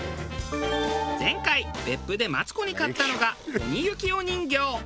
前回別府でマツコに買ったのが鬼ゆきお人形。